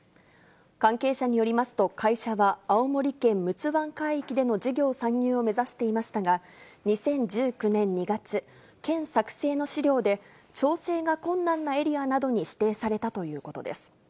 関係者によりますと、会社は青森県陸奥湾海域での事業参入を目指していましたが、２０１９年２月、県作成の資料で、調整が困難なエリアなどに指定されたということです。